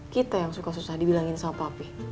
kita yang suka susah dibilangin sama papi